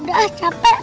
udah ah capek